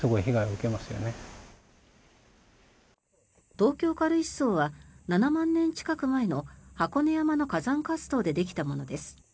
東京軽石層は７万年近く前の箱根山の火山活動でできたものです。